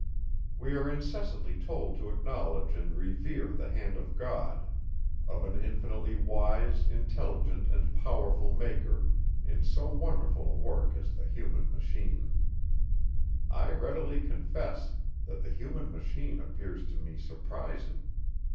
We are incessantly told to acknowledge and revere the hand of God, of an infinitely wise, intelligent and powerful maker, in so wonderful a work as the human machine. I readily confess, that the human machine appears to me surprising.